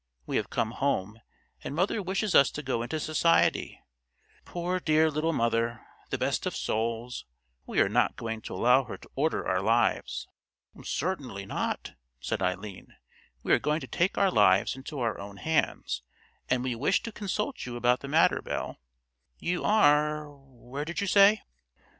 We have come home, and mother wishes us to go into society—poor, dear little mother, the best of souls; but we are not going to allow her to order our lives." "Certainly not," said Eileen, "we are going to take our lives into our own hands, and we wish to consult you about the matter, Belle. You are—where did you say?"